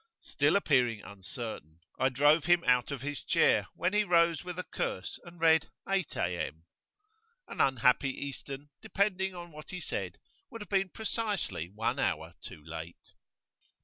Still appearing uncertain, I drove him out of his chair, when he rose with a curse and read 8 A.M. An unhappy Eastern, depending upon what he said, would have been precisely one hour too late.